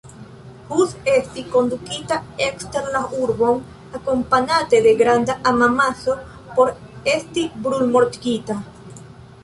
Hus estis kondukita ekster la urbon, akompanate de granda homamaso, por esti brulmortigita.